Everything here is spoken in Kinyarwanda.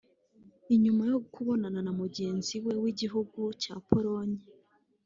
Inyuma yo kubonana na mugenzi we w'igihugu ca Pologne